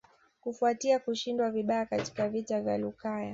Kufuatia kushindwa vibaya katika vita vya Lukaya